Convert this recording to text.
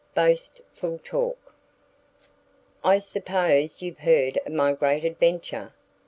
XVI BOASTFUL TALK "I SUPPOSE you've heard of my great adventure?"